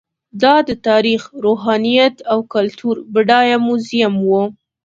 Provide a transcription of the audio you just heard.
دا د تاریخ، روحانیت او کلتور بډایه موزیم و.